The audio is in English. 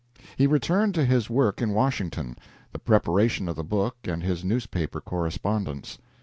He returned to his work in Washington the preparation of the book and his newspaper correspondence.